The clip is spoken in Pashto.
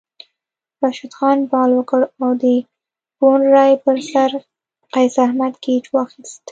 راشد خان بال وکړ او د بونډرۍ پر سر قیص احمد کیچ واخیست